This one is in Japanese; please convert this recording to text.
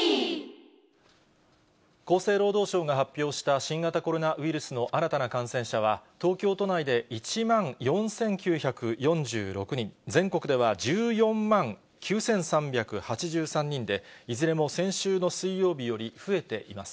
厚生労働省が発表した新型コロナウイルスの新たな感染者は、東京都内で１万４９４６人、全国では１４万９３８３人で、いずれも先週の水曜日より増えています。